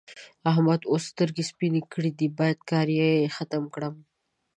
احمد اوس سترګې سپينې کړې دي؛ بايد کار يې ختم کړم.